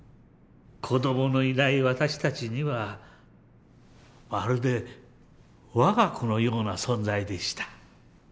子どものいない私たちにはまるで我が子のような存在でした。